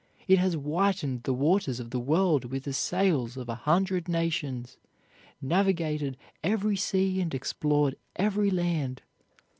It has whitened the waters of the world with the sails of a hundred nations, navigated every sea and explored every land.